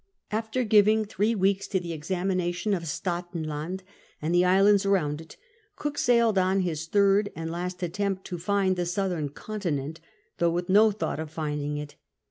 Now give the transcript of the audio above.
After giving three weeks to the examination of Staten Land and the islands around it Cook sailed on his third and last attempt to find tlie southern conti nent, though with no thought of finding it.